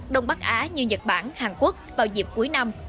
đông bắc á như nhật bản hàn quốc vào dịp cuối năm